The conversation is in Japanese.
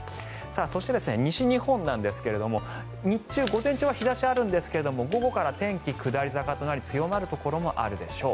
そして、西日本ですが日中、午前中は日差しがあるんですが午後から天気下り坂となり強まるところもあるでしょう。